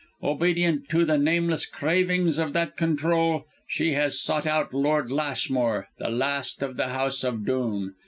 Obedient to the nameless cravings of that control, she has sought out Lord Lashmore, the last of the House of Dhoon.